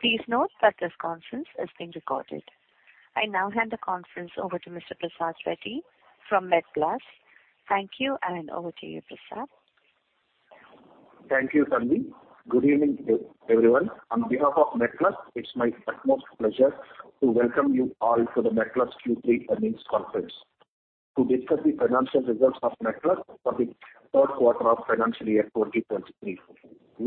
Please note that this conference is being recorded. I now hand the conference over to Mr. Prasad Reddy from MedPlus. Thank you, and over to you, Prasad. Thank you, Sangvi. Good evening, everyone. On behalf of MedPlus, it's my utmost pleasure to welcome you all to the MedPlus Q3 Earnings Conference to discuss the financial results of MedPlus for the third quarter of financial year 2023,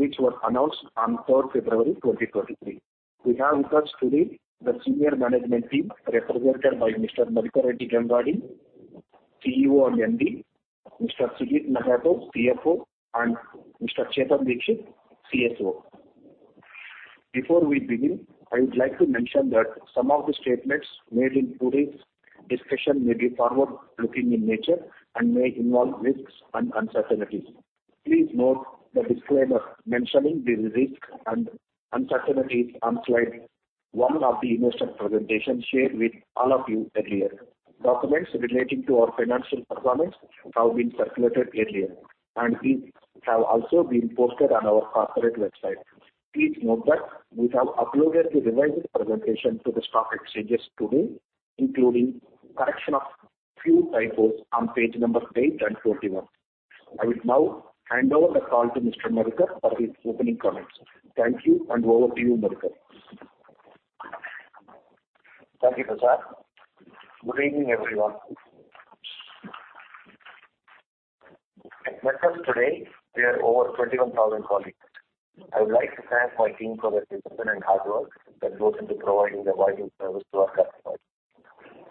which were announced on 3rd February 2023. We have with us today the senior management team represented by Mr. Gangadi Madhukar Reddy, CEO and MD, Mr. Sujit Kumar Mahato, CFO, and Mr. Chetan Dikshit, CSO. Before we begin, I would like to mention that some of the statements made in today's discussion may be forward-looking in nature and may involve risks and uncertainties. Please note the disclaimer mentioning the risks and uncertainties on slide 1 of the investor presentation shared with all of you earlier. Documents relating to our financial performance have been circulated earlier, and these have also been posted on our corporate website. Please note that we have uploaded the revised presentation to the stock exchanges today, including correction of a few typos on page numbers 8 and 21. I would now hand over the call to Mr. Madhukar for his opening comments. Thank you, and over to you, Madhukar. Thank you, Prasad. Good evening, everyone. At MedPlus today, we are over 21,000 colleagues. I would like to thank my team for their discipline and hard work that goes into providing the right service to our customers.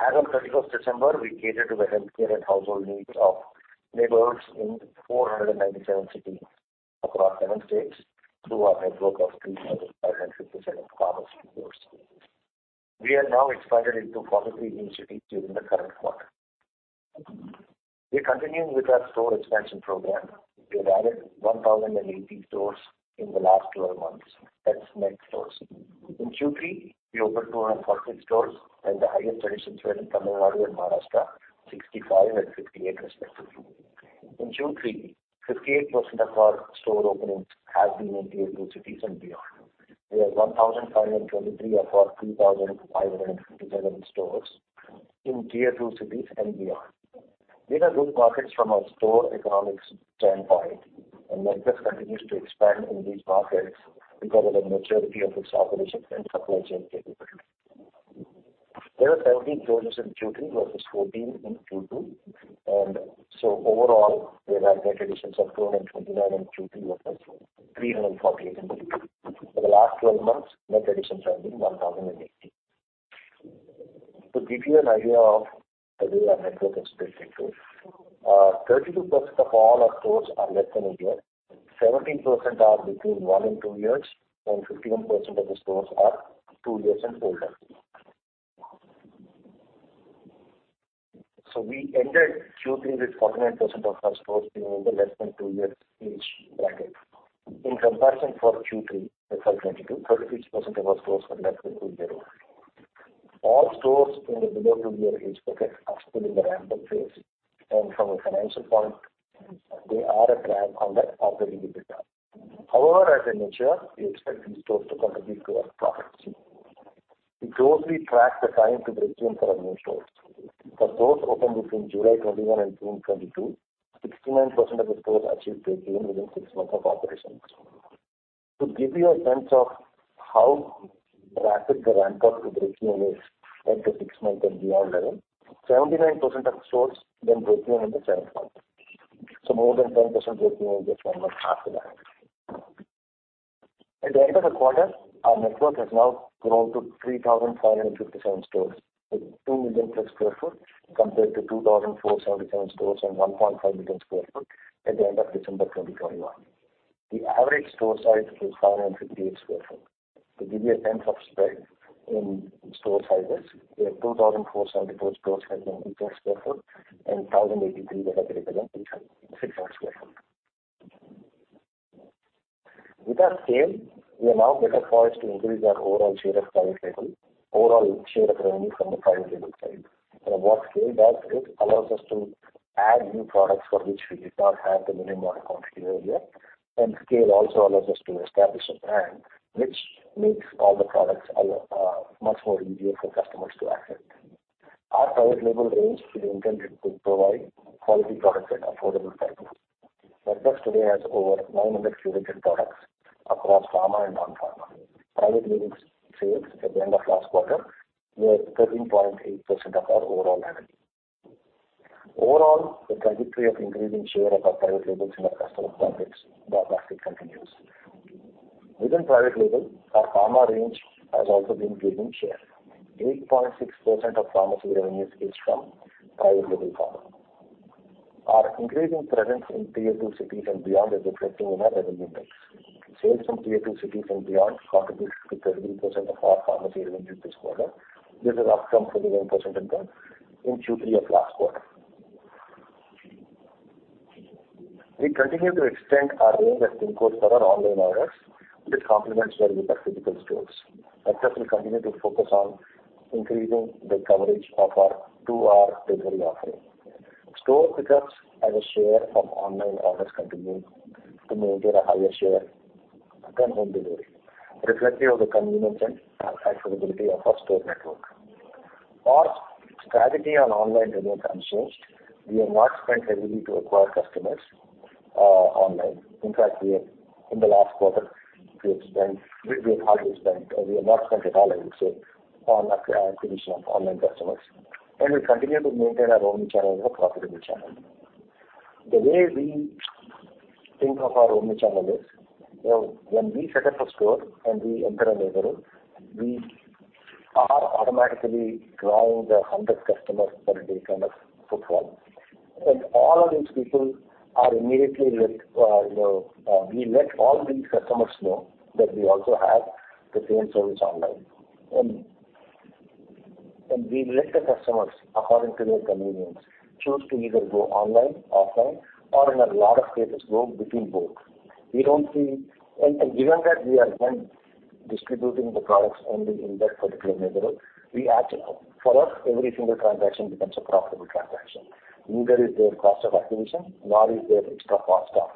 As of 31st December, we cater to the healthcare and household needs of neighbors in 497 cities across 7 states through our network of 3,557 stores. We have now expanded into 43 new cities during the current quarter. We're continuing with our store expansion program. We added 1,080 stores in the last 12 months. That's net stores. In Q3, we opened 240 stores, and the highest additions were in Tamil Nadu and Maharashtra, 65 and 58 respectively. In Q3, 58% of our store openings have been in Tier 2 cities and beyond. We have 1,523 of our 3,557 stores in Tier 2 cities and beyond. These are good markets from a store economics standpoint, and MedPlus continues to expand in these markets because of the maturity of its operations and supply chain capability. There were 17 closures in Q3 versus 14 in Q2, and so overall, there are net additions of 229 in Q3 versus 348 in Q2. For the last 12 months, net additions have been 1,080. To give you an idea of the way our network is built into it, 32% of all our stores are less than a year. 17% are between 1 and 2 years, and 51% of the stores are 2 years and older. So we ended Q3 with 49% of our stores being in the less than 2 years age bracket. In comparison for Q3, that's for 2022, 36% of our stores were less than 2 years old. All stores in the below 2-year age bracket are still in the ramp-up phase, and from a financial point, they are a drag on the EBITDA. However, as they mature, we expect these stores to contribute to our profits. We closely track the time to breakeven for our new stores. For stores opened between July 2021 and June 2022, 69% of the stores achieved breakeven within 6 months of operations. To give you a sense of how rapid the ramp-up to breakeven is at the 6-month and beyond level, 79% of the stores then breakeven in the 7th month. So more than 10% breakeven is just one month after that. At the end of the quarter, our network has now grown to 3,557 stores with 2 million+ sq ft compared to 2,477 stores and 1.5 million sq ft at the end of December 2021. The average store size is 558 sq ft. To give you a sense of spread in store sizes, we have 2,474 stores within 600 sq ft and 1,083 that are greater than 600 sq ft. With our scale, we are now better poised to increase our overall share of private label, overall share of revenue from the private label side. What scale does? It allows us to add new products for which we did not have the minimum of quantity earlier, and scale also allows us to establish a brand, which makes all the products much more easier for customers to access. Our private label range is intended to provide quality products at affordable prices. MedPlus today has over 900 curated products across pharma and non-pharma. private label sales at the end of last quarter were 13.8% of our overall revenue. Overall, the trajectory of increasing share of our private labels in our customer profits dramatically continues. Within private label, our pharma range has also been gaining share. 8.6% of pharmacy revenues is from private label pharma. Our increasing presence in Tier 2 cities and beyond is reflecting in our revenue mix. Sales from Tier 2 cities and beyond contributed to 33% of our pharmacy revenues this quarter. This is up from 41% in Q3 of last quarter. We continue to extend our range of PIN codes for our online orders, which complements where we pick up physical stores. MedPlus will continue to focus on increasing the coverage of our 2-hour delivery offering. Store pickups and a share of online orders continue to maintain a higher share than home delivery, reflective of the convenience and accessibility of our store network. Our strategy on online revenues unchanged. We have not spent heavily to acquire customers online. In fact, in the last quarter, we have hardly spent or we have not spent at all, I would say, on acquisition of online customers. We continue to maintain our omnichannel as a profitable channel. The way we think of our omnichannel is when we set up a store and we enter a neighborhood, we are automatically drawing the 100 customers per day kind of footfall. And all of these people are immediately we let all these customers know that we also have the same service online. And we let the customers, according to their convenience, choose to either go online, offline, or in a lot of cases, go between both. And given that we are then distributing the products only in that particular neighborhood, for us, every single transaction becomes a profitable transaction. Neither is there cost of acquisition, nor is there extra cost of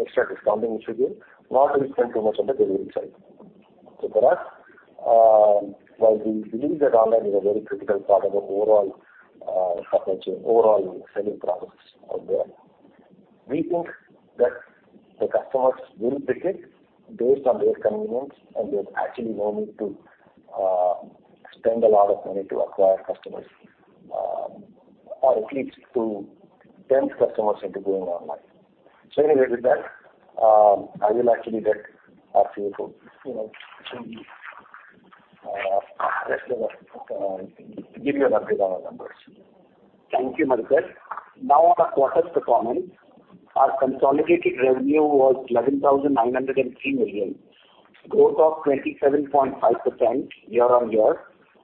extra discounting we should give, nor do we spend too much on the delivery side. So for us, while we believe that online is a very critical part of the overall supply chain, overall selling process out there, we think that the customers will pick it based on their convenience, and there's actually no need to spend a lot of money to acquire customers, or at least to tempt customers into going online. So anyway, with that, I will actually let our CFO give you an update on our numbers. Thank you, Madhukar. Now, on our quarter's performance, our consolidated revenue was 11,903 million, growth of 27.5% year-on-year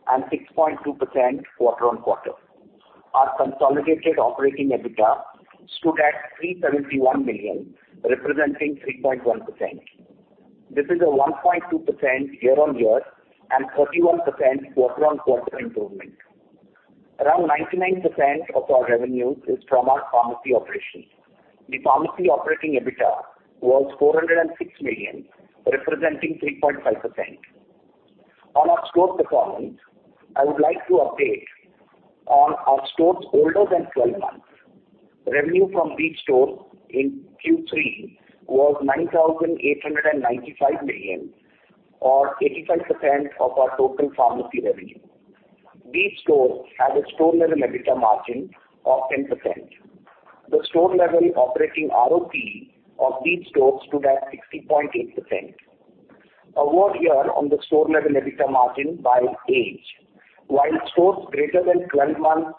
and 6.2% quarter-on-quarter. Our consolidated operating EBITDA stood at 371 million, representing 3.1%. This is a 1.2% year-on-year and 31% quarter-on-quarter improvement. Around 99% of our revenues is from our pharmacy operations. The pharmacy operating EBITDA was 406 million, representing 3.5%. On our store performance, I would like to update. On our stores older than 12 months, revenue from these stores in Q3 was 9,895 million, or 85% of our total pharmacy revenue. These stores had a store-level EBITDA margin of 10%. The store-level operating ROTE of these stores stood at 60.8%. A word here on the store-level EBITDA margin by age. While stores greater than 12 months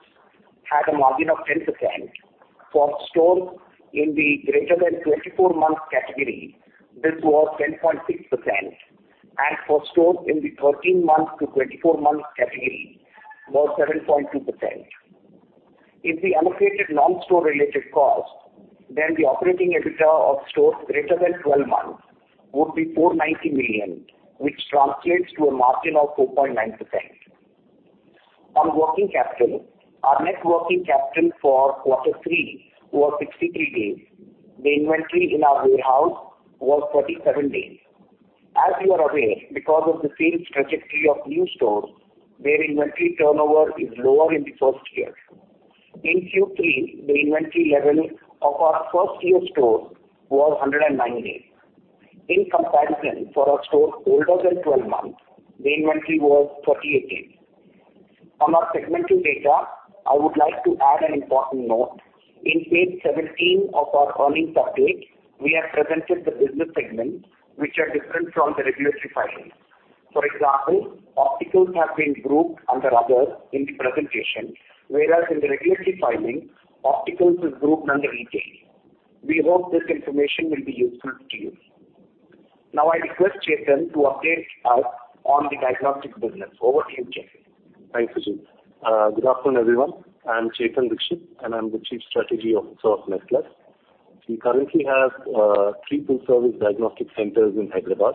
had a margin of 10%, for stores in the greater than 24-month category, this was 10.6%, and for stores in the 13-month to 24-month category, was 7.2%. If we allocated non-store-related costs, then the operating EBITDA of stores greater than 12 months would be 490 million, which translates to a margin of 4.9%. On working capital, our net working capital for quarter three was 63 days. The inventory in our warehouse was 37 days. As you are aware, because of the same trajectory of new stores, their inventory turnover is lower in the first year. In Q3, the inventory level of our first-year stores was 109 days. In comparison, for a store older than 12 months, the inventory was 38 days. On our segmental data, I would like to add an important note. In page 17 of our earnings update, we have presented the business segments, which are different from the regulatory filing. For example, opticals have been grouped under other in the presentation, whereas in the regulatory filing, opticals is grouped under retail. We hope this information will be useful to you. Now, I request Chetan to update us on the diagnostic business. Over to you, Chetan. Thanks, Sujit. Good afternoon, everyone. I'm Chetan Dikshit, and I'm the Chief Strategy Officer of MedPlus. We currently have 3 full-service diagnostic centers in Hyderabad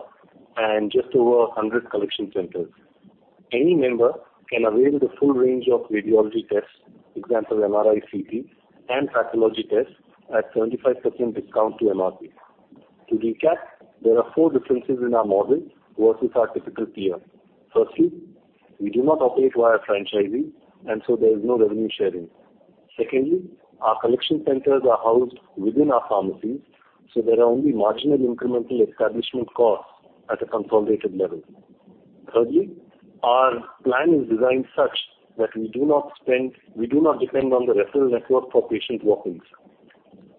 and just over 100 collection centers. Any member can avail the full range of radiology tests, for example, MRI, CT, and pathology tests at 75% discount to MRP. To recap, there are 4 differences in our model versus our typical tier. Firstly, we do not operate via franchises, and so there is no revenue sharing. Secondly, our collection centers are housed within our pharmacies, so there are only marginal incremental establishment costs at a consolidated level. Thirdly, our plan is designed such that we do not depend on the referral network for patient walk-ins.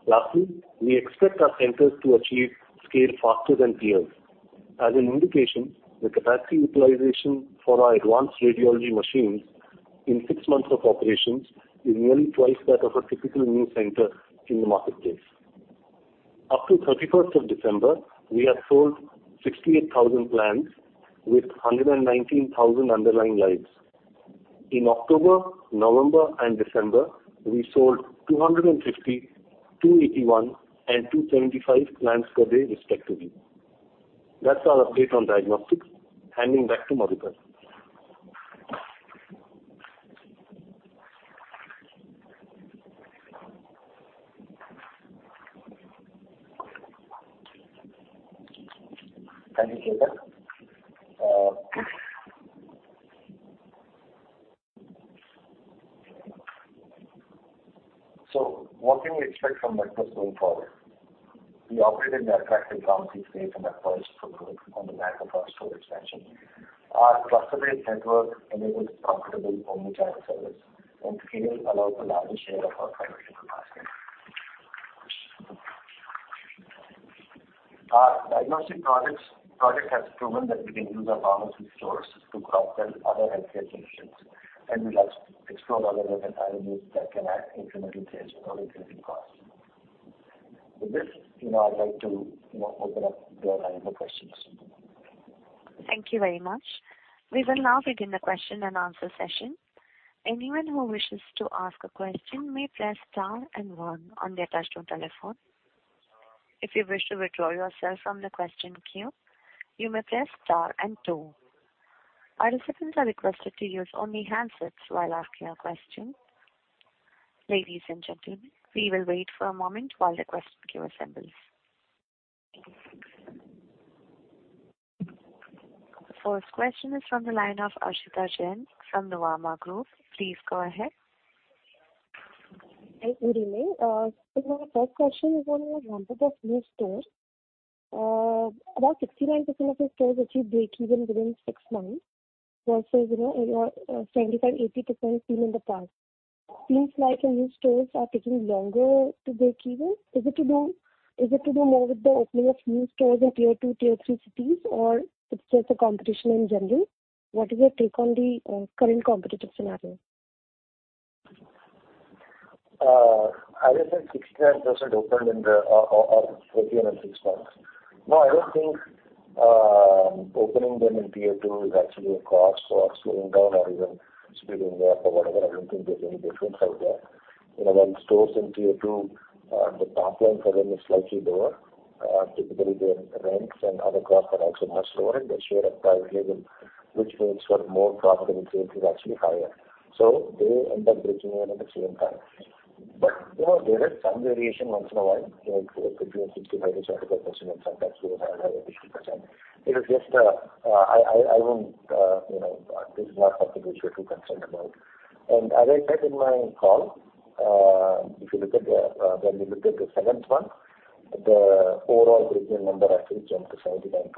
Lastly, we expect our centers to achieve scale faster than peers. As an indication, the capacity utilization for our advanced radiology machines in six months of operations is nearly twice that of a typical new center in the marketplace. Up to 31st of December, we have sold 68,000 plans with 119,000 underlying lives. In October, November, and December, we sold 250, 281, and 275 plans per day, respectively. That's our update on diagnostics. Handing back to Madhukar. Thank you, Chetan. So what can we expect from MedPlus going forward? We operate in the attractive pharmacy space and are poised for growth on the back of our store expansion. Our cluster-based network enables profitable omnichannel service, and scale allows the larger share of our financial capacity. Our diagnostic project has proven that we can use our pharmacy stores to cross-sell other healthcare solutions, and we love to explore other avenues that can add incremental change or increasing costs. With this, I'd like to open up the line for questions. Thank you very much. We will now begin the question-and-answer session. Anyone who wishes to ask a question may press star and one on their touchscreen telephone. If you wish to withdraw yourself from the question queue, you may press star and two. Our recipients are requested to use only handsets while asking a question. Ladies and gentlemen, we will wait for a moment while the question queue assembles. The first question is from the line of Aashita Jain from Nuvama Group. Please go ahead. Hey, good evening. So my first question is on a number of new stores. About 69% of the stores achieve break-even within six months versus 75%-80% seen in the past. Seems like new stores are taking longer to break even. Is it to do more with the opening of new stores in Tier 2, Tier 3 cities, or it's just the competition in general? What is your take on the current competitive scenario? I would say 69% opened in the 14 and 6 months. No, I don't think opening them in Tier 2 is actually a cause for us slowing down or even speeding them up or whatever. I don't think there's any difference out there. While stores in Tier 2, the pipeline for them is slightly lower. Typically, their rents and other costs are also much lower in the share of private label, which makes for more profitable sales is actually higher. So they end up breaking in at the same time. But there is some variation once in a while, like 50 and 60, 50, 75%, and sometimes we will have an additional percent. It is just a I won't this is not something we should be concerned about. As I said in my call, if you look at, when we looked at the seventh month, the overall breakeven number actually jumped to 79%.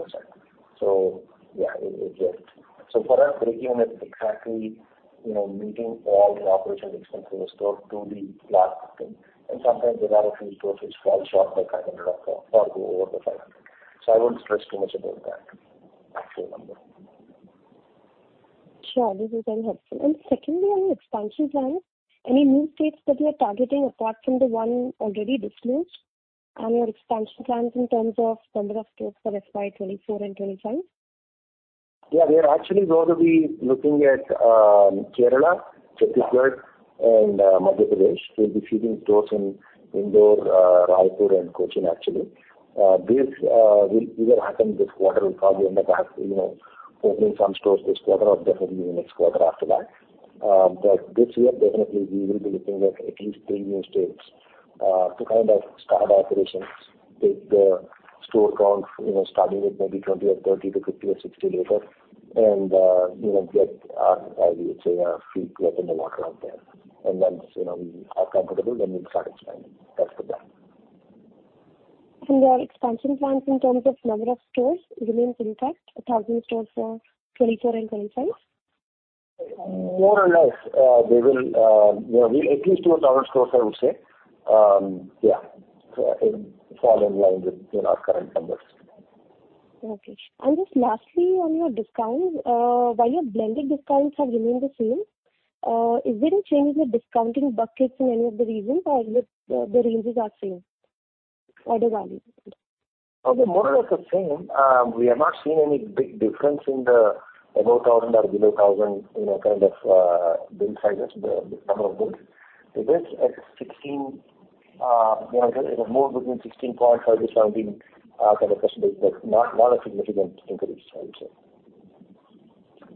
So yeah, it's just so for us, breakeven is exactly meeting all the operational expenses of the store to the last thing. And sometimes there are a few stores which fall short by INR 500 or go over the 500. So I won't stress too much about that actual number. Sure. This is very helpful. And secondly, on the expansion plans, any new states that we are targeting apart from the one already disclosed on your expansion plans in terms of number of stores for FY24 and 25? Yeah. Actually, we're going to be looking at Kerala, Chhattisgarh, and Madhya Pradesh. We'll be seeding stores in Indore, Raipur, and Cochin, actually. This will either happen this quarter. We'll probably end up opening some stores this quarter or definitely in the next quarter after that. But this year, definitely, we will be looking at at least three new states to kind of start operations, take the store count, starting with maybe 20 or 30 to 50 or 60 later, and get our, I would say, feet wet in the water out there. And once we are comfortable, then we'll start expanding. That's the plan. Your expansion plans in terms of number of stores remain intact, 1,000 stores for 2024 and 2025? More or less. They will at least 2,000 stores, I would say, yeah, fall in line with our current numbers. Okay. Just lastly, on your discounts, while your blended discounts have remained the same, is there any change in the discounting buckets in any of the regions, or the ranges are same? Order value? Okay. More or less the same. We have not seen any big difference in the above 1,000 or below 1,000 kind of bill sizes, the number of bills. It is at 16, it is more between 16.5%-17% kind of percentage, but not a significant increase, I would say.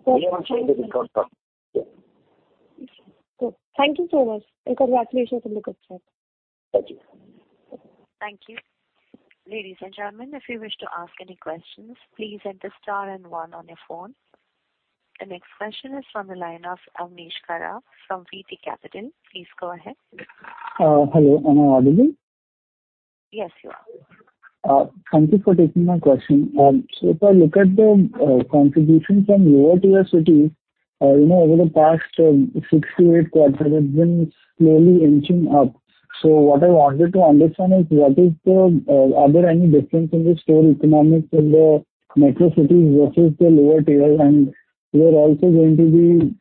We haven't changed the discount structure, yeah. Good. Thank you so much. Congratulations on the good start. Thank you. Thank you. Ladies and gentlemen, if you wish to ask any questions, please enter star and one on your phone. The next question is from the line of Avnish Khara from VT Capital. Please go ahead. Hello. Am I audible? Yes, you are. Thank you for taking my question. So if I look at the contributions from lower-tier cities, over the past 6-8 quarters, it's been slowly inching up. So what I wanted to understand is, are there any differences in the store economics in the metro cities versus the lower tiers? And we're also going to be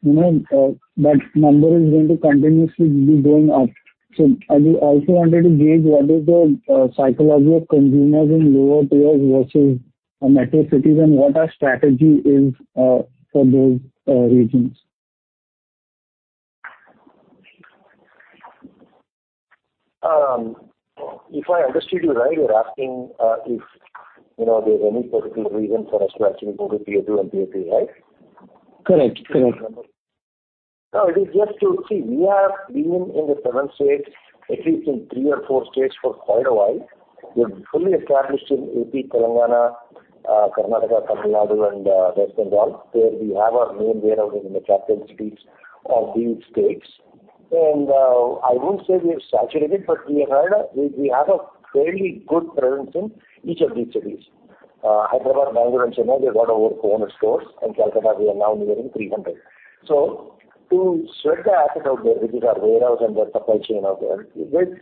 that number is going to continuously be going up. So I do also wanted to gauge what is the psychology of consumers in lower tiers versus metro cities, and what our strategy is for those regions? If I understood you right, you're asking if there's any particular reason for us to actually go to Tier 2 and Tier 3, right? Correct. Correct. No, it is just to see, we have been in the seven states, at least in three or four states, for quite a while. We're fully established in AP, Telangana, Karnataka, Tamil Nadu, and West Bengal, where we have our main warehouses in the capital cities of these states. And I won't say we've saturated, but we have a fairly good presence in each of these cities. Hyderabad, Bangalore, and Chennai, they've got over 400 stores. In Calcutta, we are now nearing 300. So to spread the asset out there, which is our warehouse and the supply chain out there, it is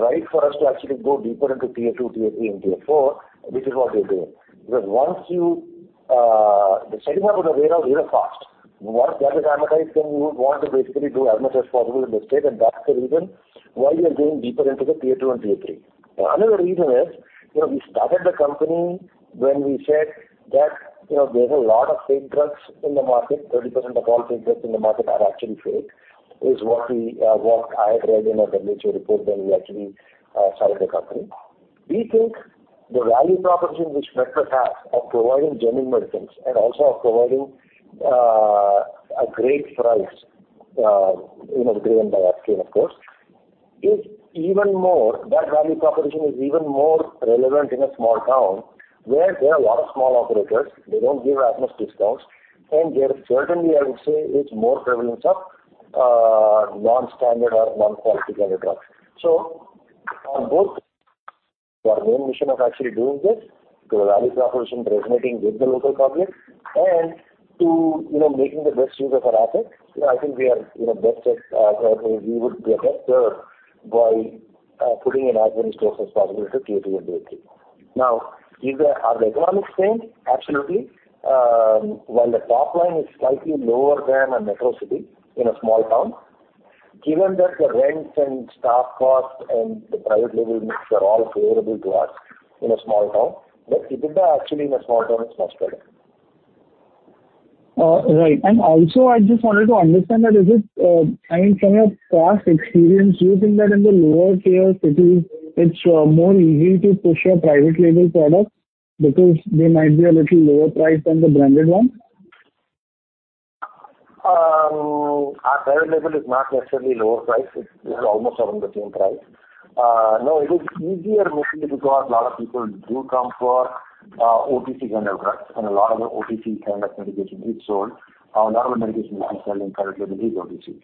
right for us to actually go deeper into Tier 2, Tier 3, and Tier 4, which is what we're doing. Because once you the setting up of the warehouse is a cost. Once that is amortized, then you would want to basically do as much as possible in the state. That's the reason why we are going deeper into the Tier 2 and Tier 3. Another reason is we started the company when we said that there's a lot of fake drugs in the market. 30% of all drugs in the market are actually fake, is what I had read in a WHO report when we actually started the company. We think the value proposition which MedPlus has of providing genuine medicines and also of providing a great price driven by scale, of course, is even more relevant in a small town where there are a lot of small operators. They don't give as much discounts. And certainly, I would say it's more prevalence of non-standard or non-quality kind of drugs. So on both, our main mission of actually doing this, to the value proposition resonating with the local public, and to making the best use of our assets, I think we are best at we would be best served by putting in as many stores as possible into Tier 2 and Tier 3. Now, are the economics same? Absolutely. While the pipeline is slightly lower than a metro city in a small town, given that the rents and staff costs and the private label mix are all favorable to us in a small town, but if you did that actually in a small town, it's much better. Right. And also, I just wanted to understand that is it—I mean, from your past experience, do you think that in the lower-tier cities, it's more easy to push your private label products because they might be a little lower priced than the branded ones? Our private label is not necessarily lower priced. It is almost around the same price. No, it is easier mainly because a lot of people do come for OTC kind of drugs, and a lot of the OTC kind of medication is sold. A lot of the medication we keep selling in private label is OTC.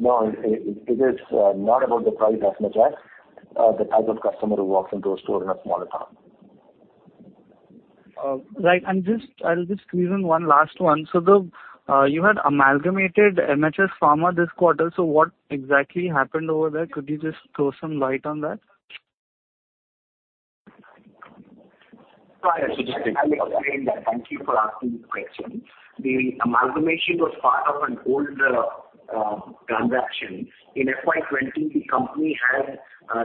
No, it is not about the price as much as the type of customer who walks into a store in a smaller town. Right. And I'll just squeeze in one last one. So you had amalgamated MHS Pharma this quarter. So what exactly happened over there? Could you just throw some light on that? Sorry. I'll explain that. Thank you for asking this question. The amalgamation was part of an old transaction. In FY20, the company had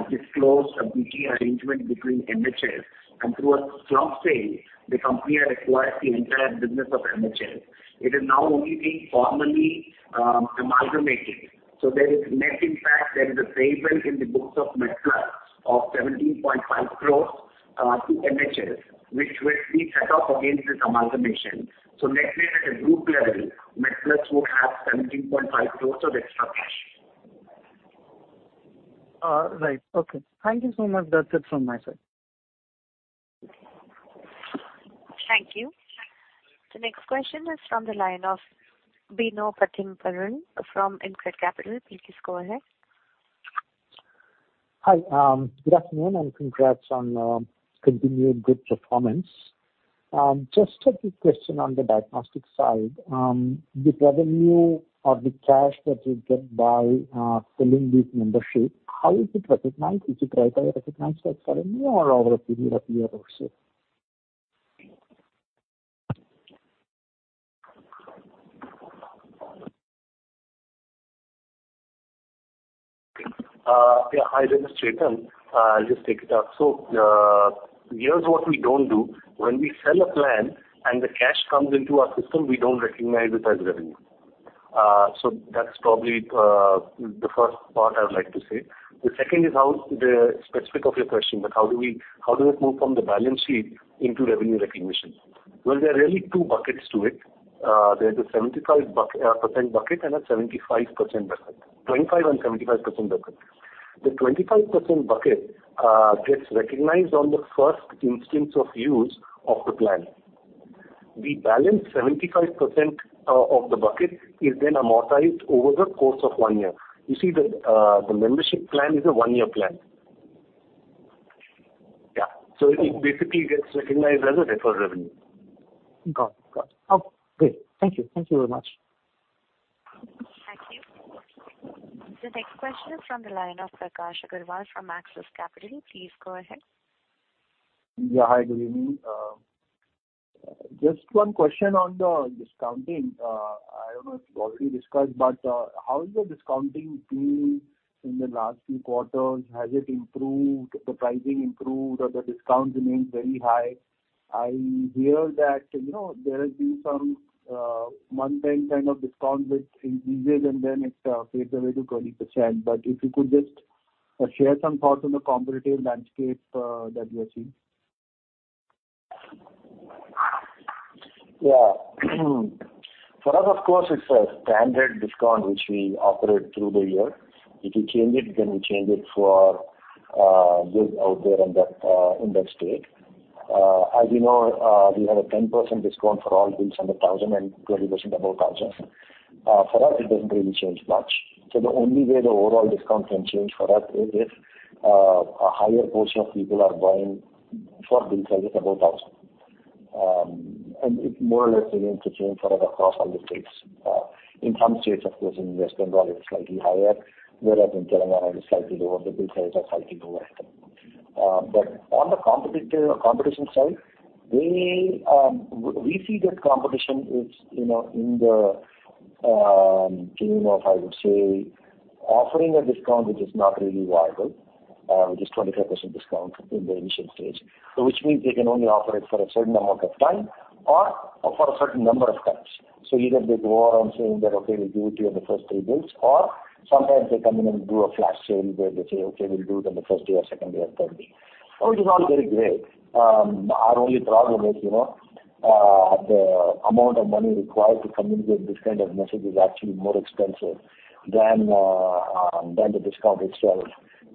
disclosed a BT arrangement between MHS, and through a slump sale, the company had acquired the entire business of MHS. It is now only being formally amalgamated. So there is net impact. There is a payable in the books of MedPlus of 17.5 crore to MHS, which will be set off against this amalgamation. So net-net at a group level, MedPlus would have 17.5 crore of extra cash. Right. Okay. Thank you so much. That's it from my side. Thank you. The next question is from the line of Bino Pathiparampil from InCred Capital. Please go ahead. Hi. Good afternoon and congrats on continued good performance. Just a quick question on the diagnostic side. The revenue or the cash that you get by filling this membership, how is it recognized? Is it right that it recognized like suddenly or over a period of a year or so? Yeah. Hi, this is Chetan. I'll just take it up. So here's what we don't do. When we sell a plan and the cash comes into our system, we don't recognize it as revenue. So that's probably the first part I would like to say. The second is the specifics of your question, but how does it move from the balance sheet into revenue recognition? Well, there are really two buckets to it. There's a 25% bucket and a 75% bucket. The 25% bucket gets recognized on the first instance of use of the plan. The balance of the 75% bucket is then amortized over the course of one year. You see, the membership plan is a one-year plan. Yeah. So it basically gets recognized as deferred revenue. Got it. Got it. Okay. Great. Thank you. Thank you very much. Thank you. The next question is from the line of Prakash Agarwal from Axis Capital. Please go ahead. Yeah. Hi. Good evening. Just one question on the discounting. I don't know if we've already discussed, but how is the discounting being in the last few quarters? Has it improved? The pricing improved, or the discount remains very high? I hear that there has been some month-end kind of discount with increases, and then it fades away to 20%. But if you could just share some thoughts on the competitive landscape that we are seeing. Yeah. For us, of course, it's a standard discount which we operate through the year. If you change it, then we change it for bills out there in that state. As you know, we have a 10% discount for all bills under 1,000 and 20% above 1,000. For us, it doesn't really change much. So the only way the overall discount can change for us is if a higher portion of people are buying for bill size is above 1,000. And it's more or less the same for us across all the states. In some states, of course, in West Bengal, it's slightly higher, whereas in Telangana, it's slightly lower. The bill size are slightly lower here. But on the competition side, we see that competition is in the game of, I would say, offering a discount which is not really viable, which is 25% discount in the initial stage, which means they can only offer it for a certain amount of time or for a certain number of times. So either they go on saying that, "Okay, we'll give it to you on the first three bills," or sometimes they come in and do a flash sale where they say, "Okay, we'll do it on the first day or second day or third day," which is all very great. Our only problem is the amount of money required to communicate this kind of message is actually more expensive than the discount itself.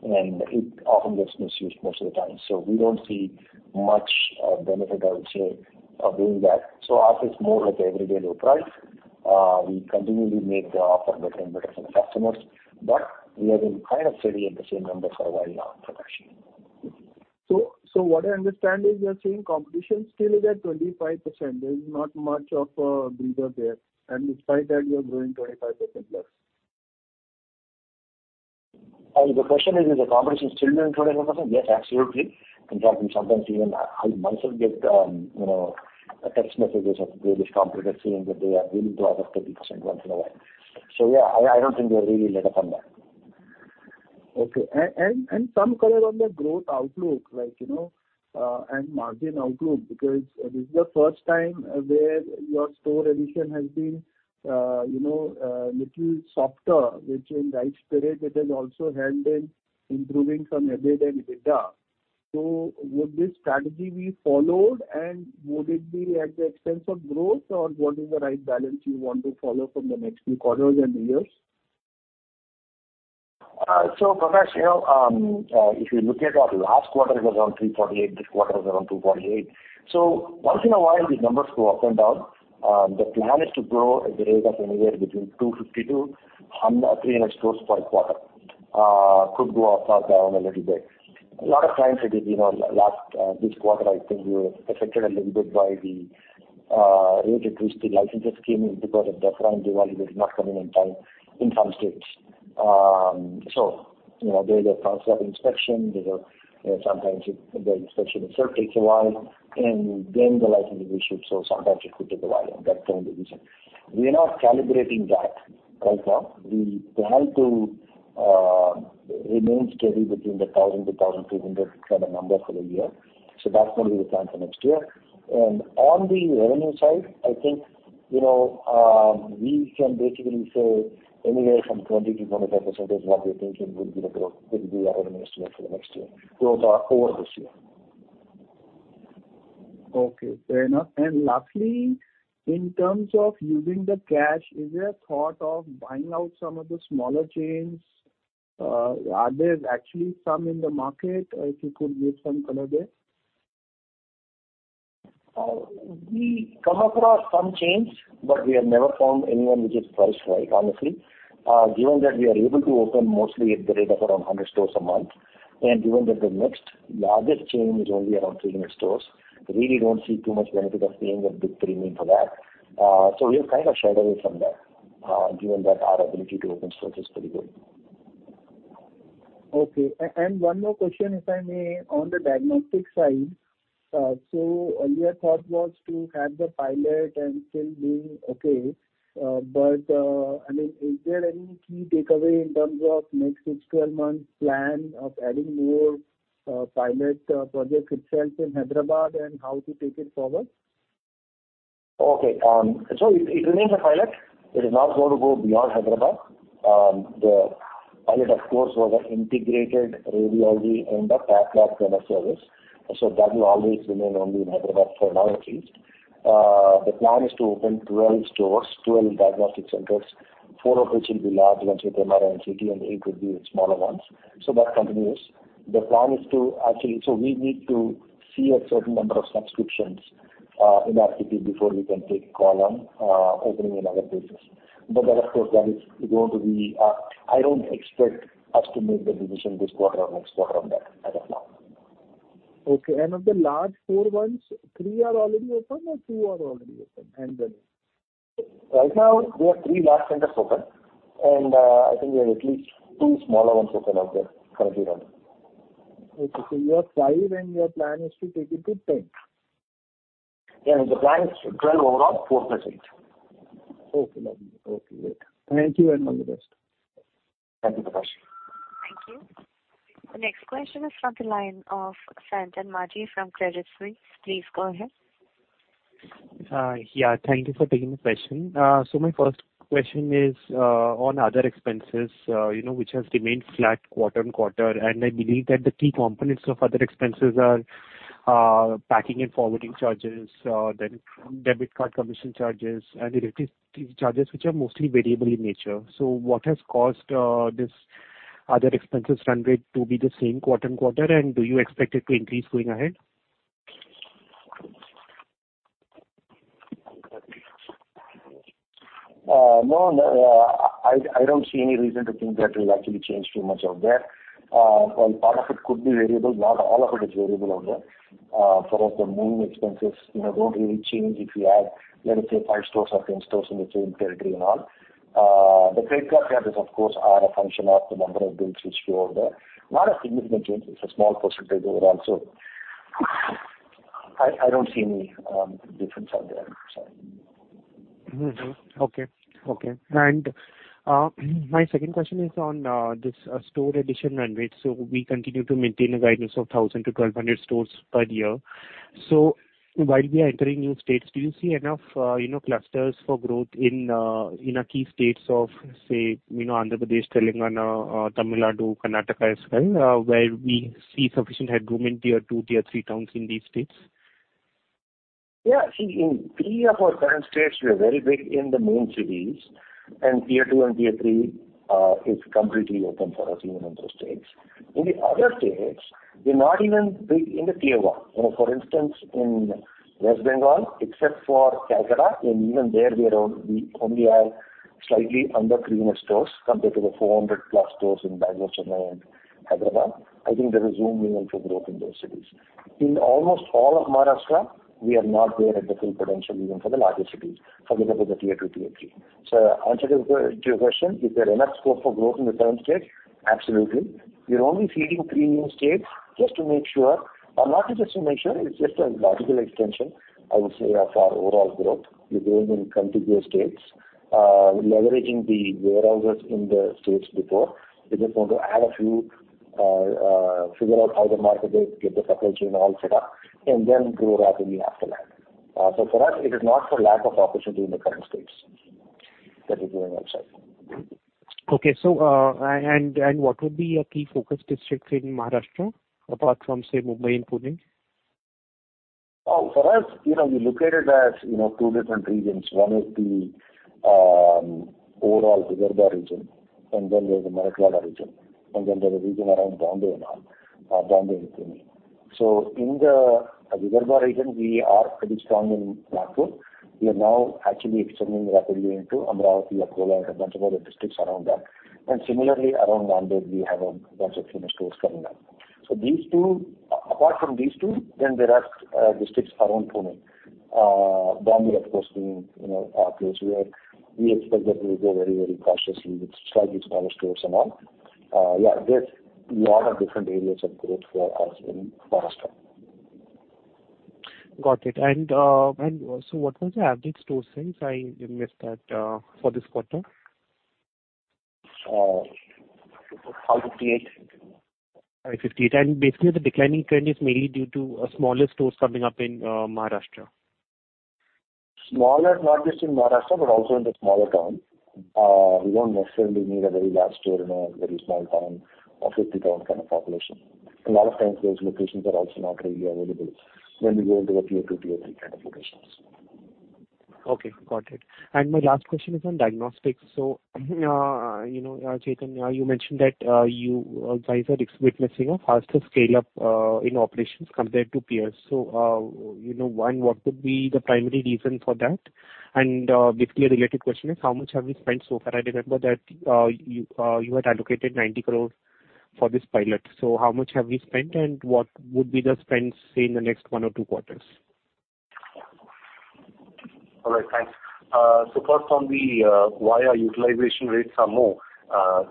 And it often gets misused most of the time. So we don't see much benefit, I would say, of doing that. So ours is more like an everyday low price. We continually make the offer better and better for the customers. But we have been kind of steady at the same number for a while now, Prakash. What I understand is you're saying competition still is at 25%. There's not much of a breather there, and despite that, you're growing 25% less. The question is, is the competition still doing 25%? Yes, absolutely. In fact, we sometimes even I myself get text messages of various competitors saying that they are willing to offer 30% once in a while. So yeah, I don't think we're really let up on that. Okay. Some color on the growth outlook and margin outlook because this is the first time where your store addition has been a little softer, which in right spirit, it has also helped in improving from EBIT and EBITDA. So would this strategy be followed, and would it be at the expense of growth, or what is the right balance you want to follow from the next few quarters and years? So Prakash, if you look at our last quarter, it was around 348. This quarter is around 248. So once in a while, these numbers go up and down. The plan is to grow at the rate of anywhere between 252-300 stores per quarter. Could go up or down a little bit. A lot of times, it is last this quarter, I think, we were affected a little bit by the rate increase the licenses came in because of deferring renewal. They did not come in on time in some states. So there's a process of inspection. Sometimes the inspection itself takes a while, and then the license is issued. So sometimes it could take a while, and that's the only reason. We are not calibrating that right now. The plan remains steady between the 1,000-1,200 kind of number for the year. That's going to be the plan for next year. On the revenue side, I think we can basically say anywhere from 20%-25% is what we're thinking would be the growth, which will be our revenue estimate for the next year. Growth over this year. Okay. Fair enough. And lastly, in terms of using the cash, is there a thought of buying out some of the smaller chains? Are there actually some in the market? If you could give some color there. We come across some chains, but we have never found anyone which is priced right, honestly. Given that we are able to open mostly at the rate of around 100 stores a month, and given that the next largest chain is only around 300 stores, really don't see too much benefit of paying a big premium for that. So we have kind of shied away from that given that our ability to open stores is pretty good. Okay. And one more question, if I may, on the diagnostic side. So earlier, thought was to have the pilot and still being okay. But I mean, is there any key takeaway in terms of next 6-12 months plan of adding more pilot projects itself in Hyderabad and how to take it forward? Okay. So it remains a pilot. It is not going to go beyond Hyderabad. The pilot, of course, was an integrated radiology and a path lab kind of service. So that will always remain only in Hyderabad for now, at least. The plan is to open 12 stores, 12 diagnostic centers, 4 of which will be large ones with MRI and CT, and 8 would be smaller ones. So that continues. The plan is to actually so we need to see a certain number of subscriptions in our CT before we can take call on opening in other places. But then, of course, that is going to be I don't expect us to make the decision this quarter or next quarter on that as of now. Okay. And of the large four ones, three are already open or two are already open and running? Right now, we have three large centers open, and I think we have at least two smaller ones open out there currently running. Okay. So you have 5, and your plan is to take it to 10? Yeah. The plan is 12 overall, 4%. Okay. Lovely. Okay. Great. Thank you, and all the best. Thank you, Prakash. Thank you. The next question is from the line of Sayantan Maji from Credit Suisse. Please go ahead. Yeah. Thank you for taking the question. My first question is on other expenses which have remained flat quarter-on-quarter. I believe that the key components of other expenses are packing and forwarding charges, then debit card commission charges, and electricity charges which are mostly variable in nature. What has caused these other expenses' run rate to be the same quarter-on-quarter, and do you expect it to increase going ahead? No, I don't see any reason to think that will actually change too much out there. Well, part of it could be variable. Not all of it is variable out there. For us, the moving expenses don't really change if we add, let us say, 5 stores or 10 stores in the same territory and all. The credit card charges, of course, are a function of the number of bills which go out there. Not a significant change. It's a small percentage overall. So I don't see any difference out there, so. Okay. Okay. And my second question is on this store addition run rate. So we continue to maintain a guidance of 1,000-1,200 stores per year. So while we are entering new states, do you see enough clusters for growth in key states of, say, Andhra Pradesh, Telangana, Tamil Nadu, Karnataka as well, where we see sufficient headroom in Tier 2, Tier 3 towns in these states? Yeah. See, in 3 of our current states, we are very big in the main cities. Tier 2 and Tier 3 is completely open for us even in those states. In the other states, we're not even big in the Tier 1. For instance, in West Bengal, except for Calcutta, and even there, we only have slightly under 300 stores compared to the 400+ stores in Bangalore, Chennai, and Hyderabad. I think there is room even for growth in those cities. In almost all of Maharashtra, we are not there at the full potential even for the larger cities compared to the Tier 2, Tier 3. So the answer to your question, is there enough scope for growth in the current states? Absolutely. We're only feeding 3 new states just to make sure or not just to make sure. It's just a logical extension, I would say, of our overall growth. We're growing in contiguous states, leveraging the warehouses in the states before. We're just going to add a few, figure out how the market is, get the supply chain all set up, and then grow rapidly after that. So for us, it is not for lack of opportunity in the current states that we're doing outside. Okay. And what would be a key focus district in Maharashtra apart from, say, Mumbai and Pune? For us, we're located in two different regions. One is the overall Vidarbha region, and then there's the Marathwada region. And then there's a region around Mumbai and all, Mumbai and Pune. So in the Vidarbha region, we are pretty strong in Nagpur. We are now actually expanding rapidly into Amravati, Akola, and a bunch of other districts around that. And similarly, around Nanded, we have a bunch of new stores coming up. So apart from these two, then there are districts around Pune. Mumbai, of course, being a place where we expect that we will go very, very cautiously with slightly smaller stores and all. Yeah, there's a lot of different areas of growth for us in Maharashtra. Got it. And so what was the average store size? I missed that for this quarter. 58. Basically, the declining trend is mainly due to smaller stores coming up in Maharashtra. Smaller, not just in Maharashtra, but also in the smaller towns. We don't necessarily need a very large store in a very small town or 50-town kind of population. A lot of times, those locations are also not really available when we go into the Tier 2, Tier 3 kind of locations. Okay. Got it. And my last question is on diagnostics. So Chetan, you mentioned that you guys are witnessing a faster scale-up in operations compared to peers. So what would be the primary reason for that? And basically, a related question is, how much have we spent so far? I remember that you had allocated 90 crore for this pilot. So how much have we spent, and what would be the spend, say, in the next one or two quarters? All right. Thanks. So first on the why our utilization rates are more,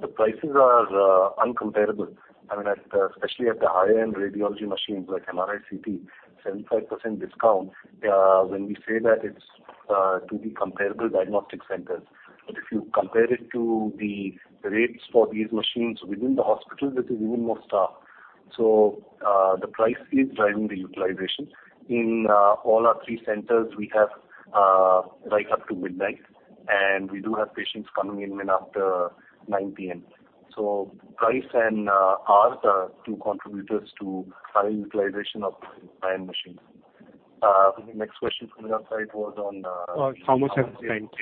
the prices are incomparable. I mean, especially at the high-end radiology machines like MRI, CT, 75% discount when we say that it's to be comparable diagnostic centers. But if you compare it to the rates for these machines within the hospitals, it is even more so. So the price is driving the utilization. In all our three centers, we have right up to midnight, and we do have patients coming in after 9:00 P.M. So price and hours are two contributors to higher utilization of the high-end machines. Next question from your side was on. How much have we spent?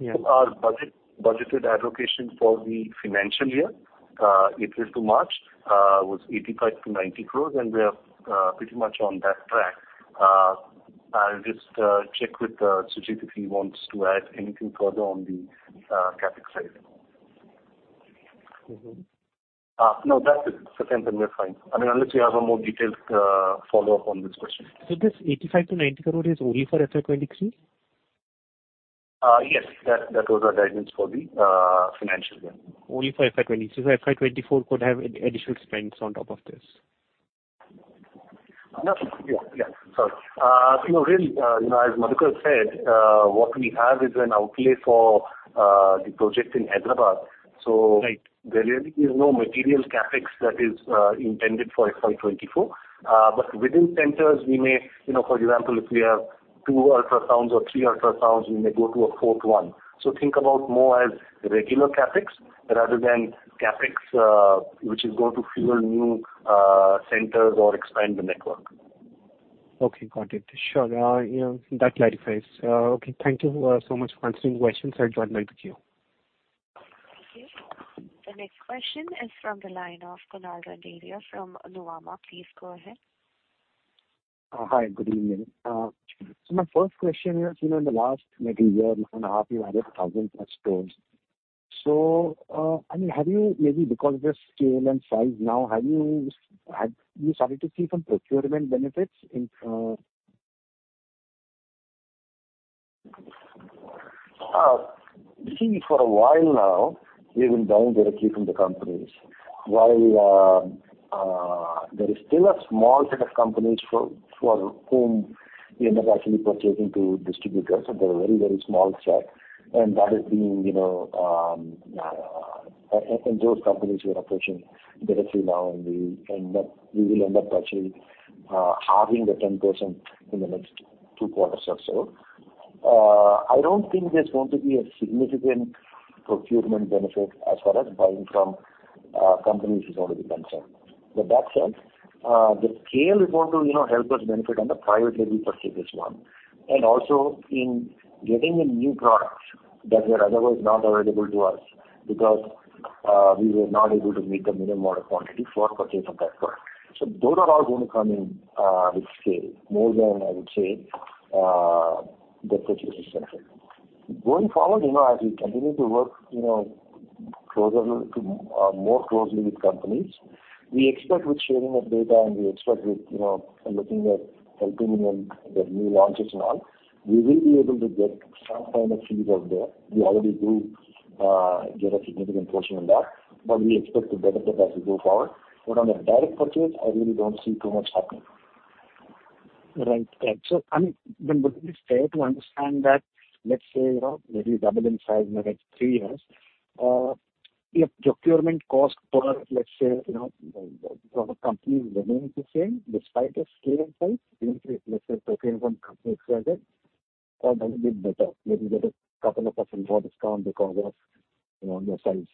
Yeah. Our budgeted allocation for the financial year, April to March, was 85 crore-90 crore, and we are pretty much on that track. I'll just check with Sujit if he wants to add anything further on the CapEx rate. No, that's it. For them, we're fine. I mean, unless you have a more detailed follow-up on this question. So this 85 crore-90 crore is only for FY23? Yes. That was our guidance for the financial year. Only for FY23. So FY24 could have additional spends on top of this? No. Yeah. Yeah. Sorry. Really, as Madhukar said, what we have is an outlay for the project in Hyderabad. So there really is no material CapEx that is intended for FY24. But within centers, we may for example, if we have two ultrasounds or three ultrasounds, we may go to a fourth one. So think about more as regular CapEx rather than CapEx which is going to fuel new centers or expand the network. Okay. Got it. Sure. That clarifies. Okay. Thank you so much for answering the questions. I'll join back the queue. Thank you. The next question is from the line of Kunal Randeria from Nuvama. Please go ahead. Hi. Good evening. So my first question is, in the last maybe year, month and a half, you added 1,000+ stores. So I mean, have you maybe because of the scale and size now, have you started to see some procurement benefits in? See, for a while now, we have been buying directly from the companies. While there is still a small set of companies for whom we end up actually purchasing through distributors, and they're a very, very small set. And that is being and those companies, we are approaching directly now, and we will end up actually halving the 10% in the next two quarters or so. I don't think there's going to be a significant procurement benefit as far as buying from companies is going to be concerned. With that said, the scale is going to help us benefit on the private label purchase as well and also in getting in new products that were otherwise not available to us because we were not able to meet the minimum order quantity for purchase of that product. So those are all going to come in with scale more than, I would say, the purchases benefit. Going forward, as we continue to work more closely with companies, we expect with sharing of data, and we expect with looking at helping in the new launches and all, we will be able to get some kind of feed out there. We already do get a significant portion of that, but we expect to better that as we go forward. But on the direct purchase, I really don't see too much happening. Right. Right. So I mean, then would it be fair to understand that, let's say, maybe doubling size in the next 3 years, if procurement cost per, let's say, from a company remains the same despite the scale and size? Let's say procurement from a company XYZ, or that would be better? Maybe get a couple of % more discount because of the size?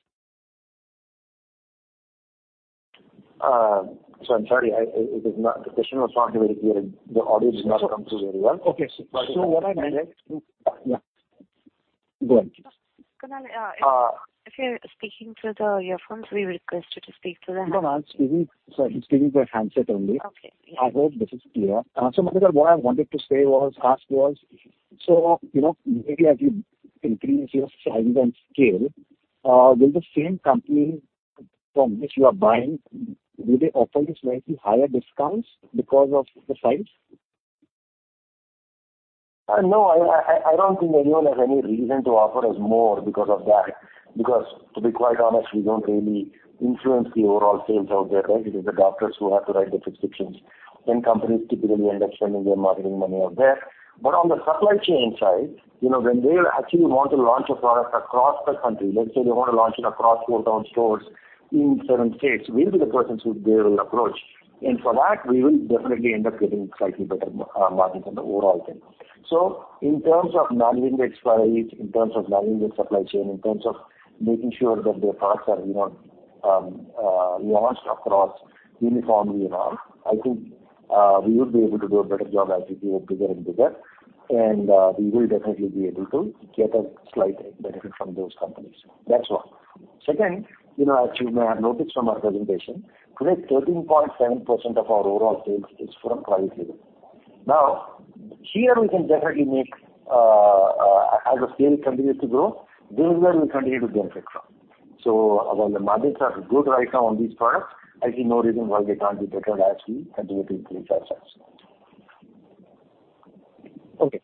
I'm sorry. The question was not very clear. The audio did not come through very well. Okay. So what I meant is. Yeah. Go ahead. Kunal, if you're speaking through the earphones, we request you to speak through the handset. No, no. Sorry. I'm speaking through a handset only. Okay. Yeah. I hope this is clear. So Madhukar, what I wanted to ask was, so maybe as you increase your size and scale, will the same company from which you are buying, will they offer you slightly higher discounts because of the size? No. I don't think anyone has any reason to offer us more because of that because, to be quite honest, we don't really influence the overall sales out there, right? It is the doctors who have to write the prescriptions. 10 companies typically end up spending their marketing money out there. But on the supply chain side, when they actually want to launch a product across the country, let's say they want to launch it across 40-town stores in certain states, we'll be the persons who they will approach. And for that, we will definitely end up getting slightly better margins on the overall thing. So in terms of managing the expiry, in terms of managing the supply chain, in terms of making sure that their products are launched across uniformly and all, I think we would be able to do a better job as we grow bigger and bigger. We will definitely be able to get a slight benefit from those companies. That's one. Second, as you may have noticed from our presentation, today, 13.7% of our overall sales is from private label. Now, here, we can definitely make as the scale continues to grow, this is where we continue to benefit from. So while the margins are good right now on these products, I see no reason why they can't be better as we continue to increase our sales. Okay.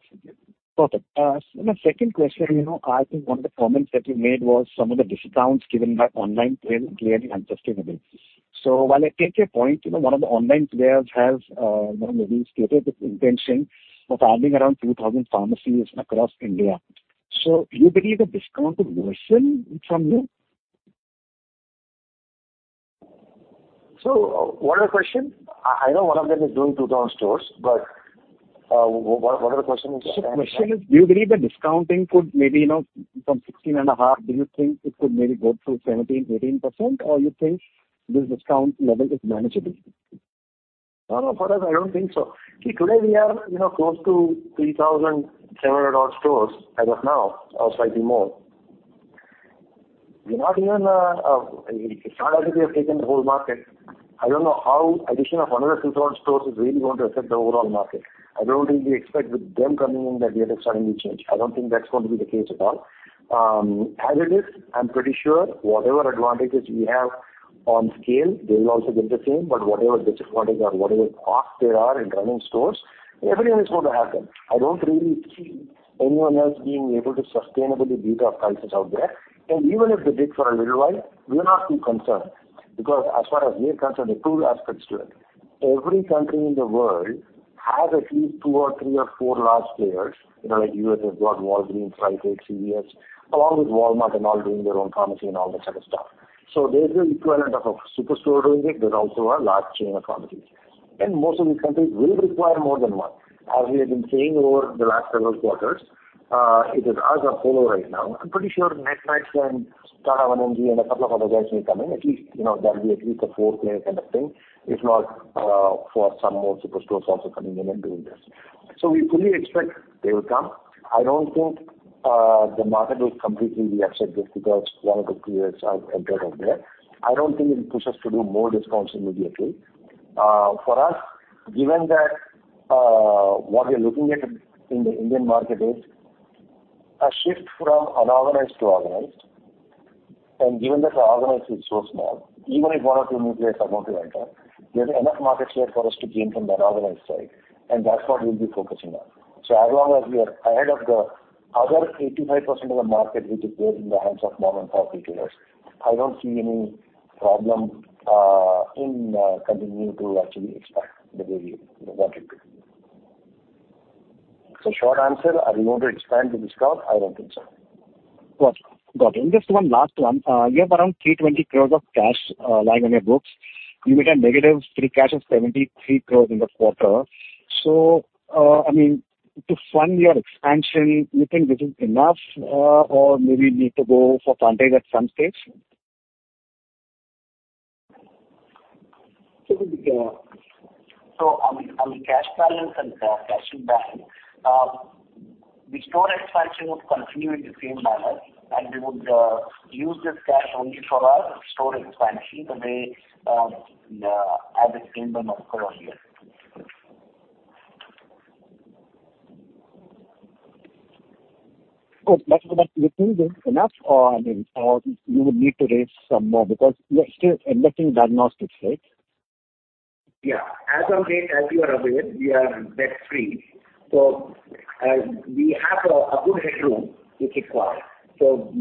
Perfect. And the second question, I think one of the comments that you made was some of the discounts given by online players are clearly unsustainable. So while I take your point, one of the online players has maybe stated its intention of adding around 2,000 pharmacies across India. So you believe the discount would worsen from here? So what are the questions? I know one of them is doing two-town stores, but what are the questions? The question is, do you believe the discounting could maybe from 16.5, do you think it could maybe go through 17, 18%, or you think this discount level is manageable? No, no. For us, I don't think so. See, today, we are close to 3,700-odd stores as of now or slightly more. We're not even, it's not as if we have taken the whole market. I don't know how addition of another 2,000 stores is really going to affect the overall market. I don't really expect with them coming in that we are starting to change. I don't think that's going to be the case at all. As it is, I'm pretty sure whatever advantages we have on scale, they will also get the same. But whatever disadvantages or whatever costs there are in running stores, everyone is going to have them. I don't really see anyone else being able to sustainably beat our prices out there. And even if they did for a little while, we are not too concerned because as far as we are concerned, the two aspects to it, every country in the world has at least two or three or four large players like USABLOG, Walgreens, Rite Aid, CVS, along with Walmart and all doing their own pharmacy and all that sort of stuff. So there's the equivalent of a superstore doing it. There's also a large chain of pharmacies. And most of these countries will require more than one. As we have been saying over the last several quarters, it is us Apollo right now. I'm pretty sure Netmeds and PharmEasy and a couple of other guys may come in. At least that'll be at least a four-player kind of thing, if not for some more superstores also coming in and doing this. So we fully expect they will come. I don't think the market will completely be upset just because one of the peers has entered out there. I don't think it will push us to do more discounts immediately. For us, given that what we're looking at in the Indian market is a shift from unorganized to organized, and given that the organized is so small, even if one or two new players are going to enter, there's enough market share for us to gain from the unorganized side. And that's what we'll be focusing on. So as long as we are ahead of the other 85% of the market, which is there in the hands of more than four retailers, I don't see any problem in continuing to actually expand the way we want it to. So short answer, are we going to expand the discount? I don't think so. Got it. Got it. And just one last one. You have around 320 crore of cash lying on your books. You made a negative free cash of 73 crore in the quarter. So I mean, to fund your expansion, you think this is enough, or maybe you need to go for frontage at some stage? So I mean, cash balance and cash in bank, the store expansion would continue in the same manner, and we would use this cash only for our store expansion the way as explained by Madhukar earlier. Good. You think it's enough, or I mean, you would need to raise some more because you're still investing in diagnostics, right? Yeah. As of date, as you are aware, we are debt-free. So we have a good headroom which requires. So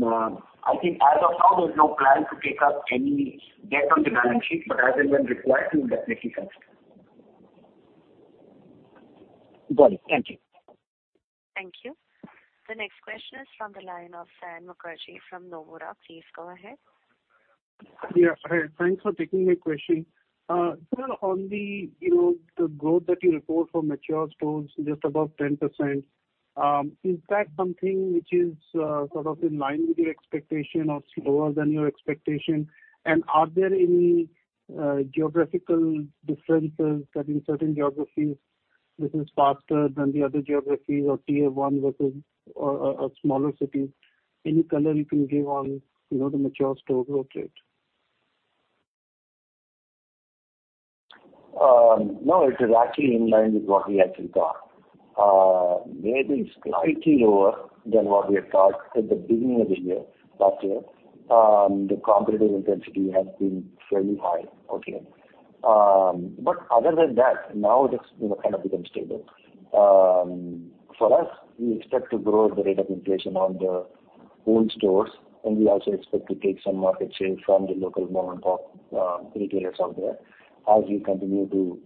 I think as of now, there's no plan to take up any debt on the balance sheet. But as and when required, we will definitely consider. Got it. Thank you. Thank you. The next question is from the line of Mukherjee from Nomura. Please go ahead. Yeah. Hi. Thanks for taking my question. Kunal, on the growth that you report for mature stores, just above 10%, is that something which is sort of in line with your expectation or slower than your expectation? And are there any geographical differences that in certain geographies, this is faster than the other geographies or Tier 1 versus smaller cities? Any color you can give on the mature store growth rate? No. It is actually in line with what we actually thought. Maybe slightly lower than what we had thought at the beginning of the year last year. The competitive intensity has been fairly high out here. But other than that, now it has kind of become stable. For us, we expect to grow the rate of inflation on the old stores, and we also expect to take some market share from the local mom-and-pop retailers out there as we continue to,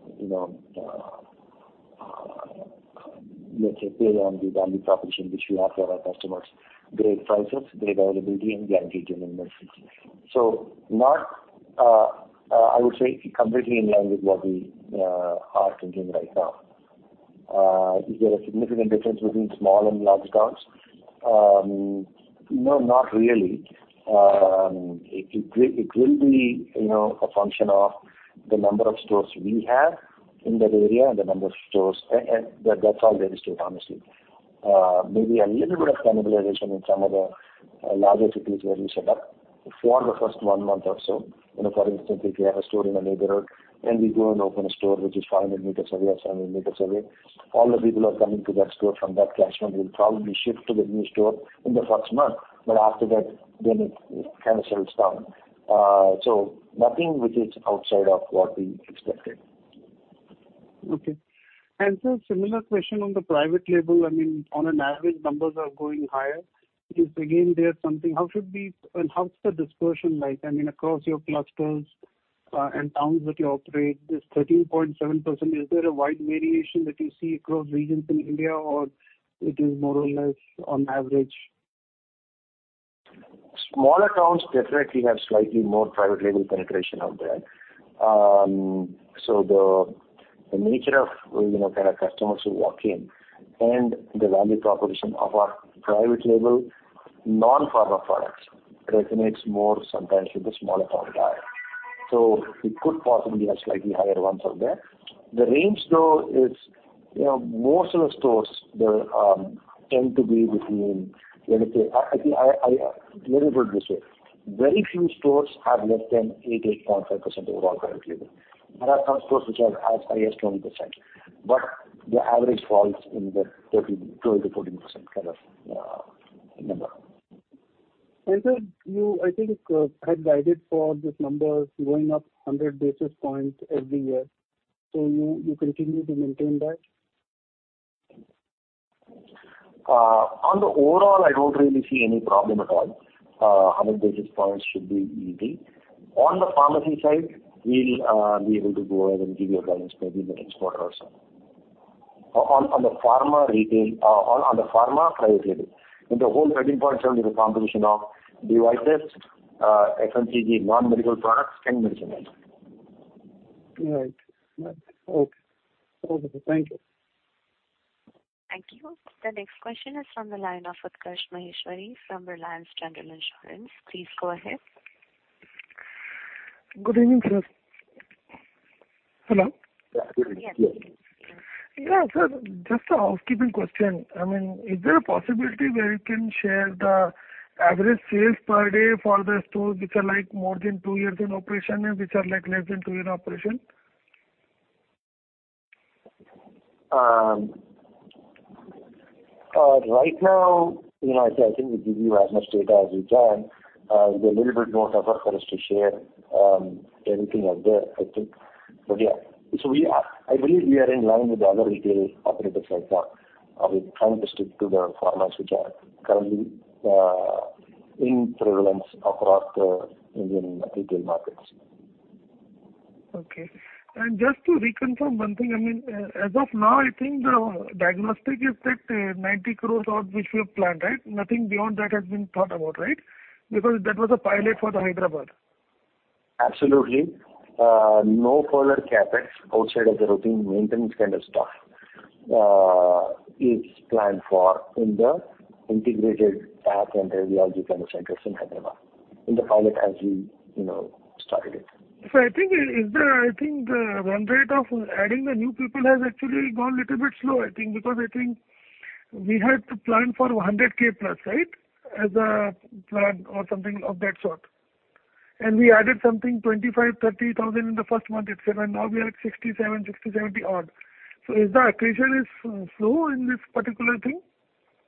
let's say, play on the value proposition which we have for our customers: great prices, great availability, and guaranteed genuineness. So I would say completely in line with what we are thinking right now. Is there a significant difference between small and large towns? No, not really. It will be a function of the number of stores we have in that area and the number of stores. That's all there is to it, honestly. Maybe a little bit of cannibalization in some of the larger cities where we set up for the first one month or so. For instance, if we have a store in a neighborhood and we go and open a store which is 500 meters away or 700 meters away, all the people are coming to that store from that cash front will probably shift to the new store in the first month. But after that, then it kind of settles down. So nothing which is outside of what we expected. Okay. Similar question on the private label. I mean, on an average, numbers are going higher. Again, there's something. How should we and how's the dispersion like? I mean, across your clusters and towns that you operate, this 13.7%, is there a wide variation that you see across regions in India, or it is more or less on average? Smaller towns definitely have slightly more private label penetration out there. So the nature of kind of customers who walk in and the value proposition of our private label non-pharma products resonates more sometimes with the smaller town guy. So it could possibly have slightly higher ones out there. The range, though, is most of the stores, they tend to be between let me say, let me put it this way. Very few stores have less than 88.5% overall private label. There are some stores which have as high as 20%. But the average falls in the 12%-14% kind of number. I think it's head guided for this number going up 100 basis points every year. You continue to maintain that? On the overall, I don't really see any problem at all. 100 basis points should be easy. On the pharmacy side, we'll be able to go ahead and give you a guidance maybe in the next quarter or so. On the pharma retail on the pharma private label, in the whole 13.7% is a composition of devices, FMCG, non-medical products, and medicine line. Right. Right. Okay. Perfect. Thank you. Thank you. The next question is from the line of Utkarsh Maheshwari from Reliance General Insurance. Please go ahead. Good evening, sir. Hello? Yeah. Good evening. Yes. Yeah. Yeah. Yeah. Sir, just a housekeeping question. I mean, is there a possibility where you can share the average sales per day for the stores which are more than two years in operation and which are less than two years in operation? Right now, I think we give you as much data as we can. It's a little bit more tougher for us to share anything out there, I think. But yeah. So I believe we are in line with the other retail operators right now. We're trying to stick to the pharmaceutical currently in prevalence across the Indian retail markets. Okay. And just to reconfirm one thing, I mean, as of now, I think the diagnostics is that 90 crore odd which we have planned, right? Nothing beyond that has been thought about, right? Because that was a pilot for Hyderabad. Absolutely. No further CapEx outside of the routine maintenance kind of stuff is planned for in the integrated pathology and radiology kind of centers in Hyderabad in the pilot as we started it. So, I think is there, I think, the run rate of adding the new people has actually gone a little bit slow, I think, because I think we had planned for 100,000+, right, as a plan or something of that sort. And we added something 25,000-30,000 in the first month, etc. Now, we are at 67,000, 60,000-70,000 odd. So, is the accretion slow in this particular thing,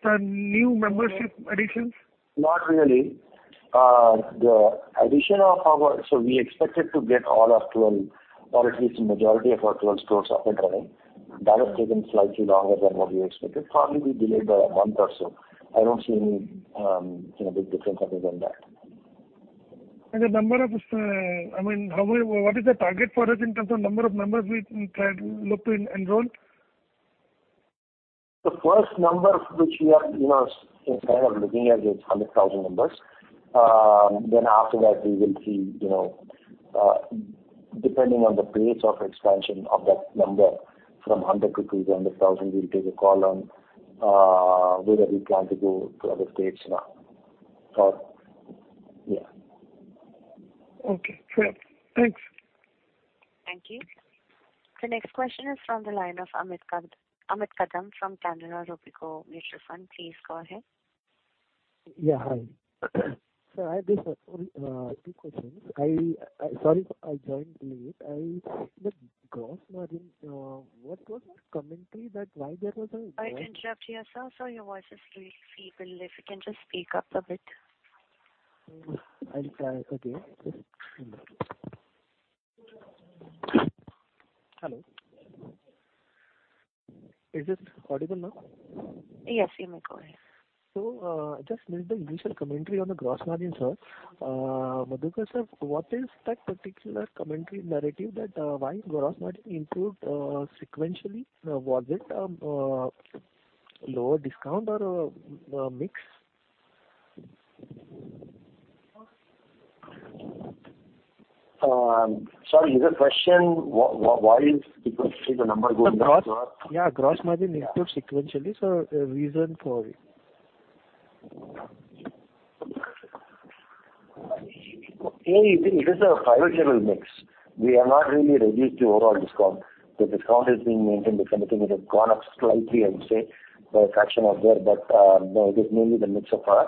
the new membership additions? Not really. The addition of our so we expected to get all our 12 or at least the majority of our 12 stores up and running. That has taken slightly longer than what we expected. Probably we delayed by a month or so. I don't see any big difference other than that. The number of—I mean, what is the target for us in terms of number of members we look to enroll? The first number which we are kind of looking at is 100,000 members. Then after that, we will see depending on the pace of expansion of that number, from 100,000 to 200,000, we'll take a call on whether we plan to go to other states or yeah. Okay. Fair. Thanks. Thank you. The next question is from the line of Amit Kadam from Canara Robeco Mutual Fund. Please go ahead. Yeah. Hi. So I have two questions. Sorry if I joined late. I see the growth margin. What was that commentary that why there was a? Sorry to interrupt yourself. Sorry, your voice is really feeble. If you can just speak up a bit. I'll try again. Just a minute. Hello? Is this audible now? Yes. You may go ahead. Just with the initial commentary on the gross margin, sir, Madhukar sir, what is that particular commentary narrative that why gross margin improved sequentially? Was it a lower discount or a mix? Sorry, is the question why is the number going up to us? Yeah. Gross margin improved sequentially. So the reason for it. Yeah. It is a private label mix. We are not really reducing the overall discount. The discount is being maintained by something that has gone up slightly, I would say, by a fraction out there. But no, it is mainly the mix for us.